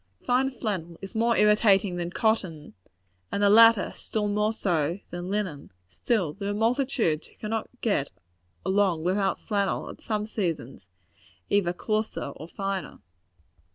Fine flannel is more irritating than cotton; and the latter, more so than linen. Still, there are multitudes who cannot get along without flannel, at some seasons, either coarser or finer.